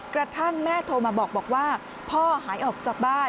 กระทั่งแม่โทรมาบอกว่าพ่อหายออกจากบ้าน